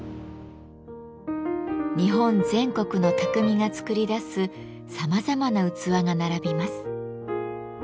日本全国のたくみが作り出すさまざまな器が並びます。